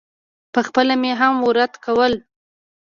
پخپله مې هم ورد کول.